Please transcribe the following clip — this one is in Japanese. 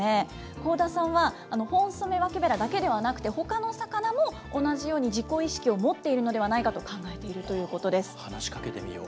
幸田さんはホンソメワケベラだけではなくて、ほかの魚も同じように自己意識を持っているのではないかと考えて話しかけてみよう。